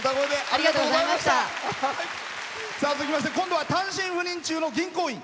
続きまして今度は単身赴任中の銀行員。